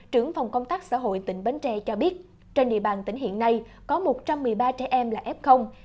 trưởng phòng công tác xã hội tỉnh bến tre cho biết trên địa bàn tỉnh hiện nay có một trăm một mươi ba trẻ em là f